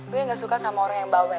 gue gak suka sama orang yang bawel